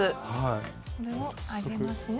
これを上げますね。